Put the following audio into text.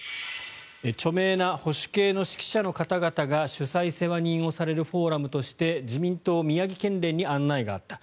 著名な保守系の識者の方々が主催世話人をされるフォーラムとして自民党宮城県連に案内があった